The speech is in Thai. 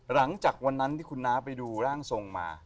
หลังจากวันนั้นที่คุณน้าไปดูร่างทรงมา